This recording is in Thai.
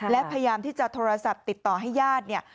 และพยายามที่จะโทรศัพท์ติดต่อให้ญาติเนี่ย